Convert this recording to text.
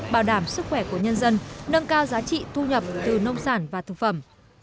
bảo đảm sức khỏe của nhân dân nâng cao giá trị thu nhập từ nông sản và thực phẩm